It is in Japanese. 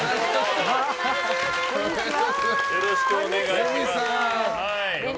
よろしくお願いします。